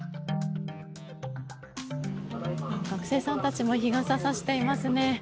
学生さんたちも日傘を差していますね。